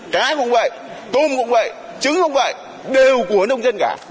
cái cũng vậy tôm cũng vậy trứng không vậy đều của nông dân cả